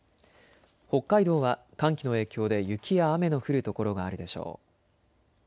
北海道は寒気の影響で雪や雨の降る所があるでしょう。